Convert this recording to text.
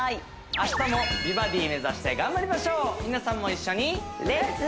明日も美バディ目指して頑張りましょう皆さんも一緒にレッツ！